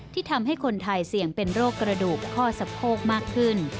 ทำให้คนไทยเสี่ยงเป็นโรคกระดูกข้อสะโพกมากขึ้น